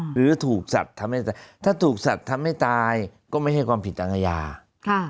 หรือถูกสัตว์ทำให้ตายถ้าถูกสัตว์ทำให้ตายก็ไม่ให้ความผิดทางอาญาค่ะ